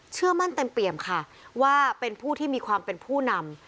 เชื่อมั่นเต็มเปี่ยมค่ะว่าเป็นผู้ที่มีความเป็นผู้นำ